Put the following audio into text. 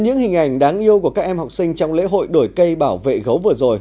những hình ảnh đáng yêu của các em học sinh trong lễ hội đổi cây bảo vệ gấu vừa rồi